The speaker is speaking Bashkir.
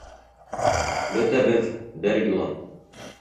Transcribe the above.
Бөтәбеҙ бер юлы!